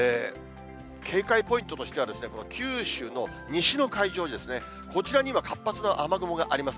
警戒ポイントとしては、この九州の西の海上に、こちらに今、活発な雨雲があります。